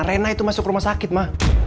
rena itu masuk rumah sakit mah